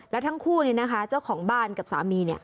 แล้วทั้งคู่เนี่ยนะคะเจ้าของบ้านกับสามีเนี่ย